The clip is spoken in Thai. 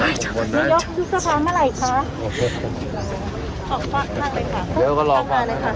นายยกยุบสภาเมื่อไหร่ค่ะออกมานั่งไปค่ะเดี๋ยวก็รอค่ะ